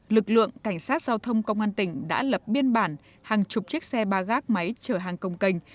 lực lượng cảnh sát giao thông công an tỉnh đã lập biên bản hàng chục chiếc xe ba gác máy chở hàng công cành